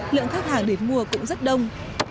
lượng khách hàng để mua cũng rất đông